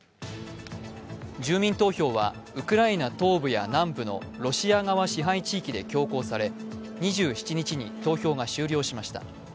住民投票はウクライナ東部や南部のロシア側支配地域で強行され、２７日に投票が終了しました。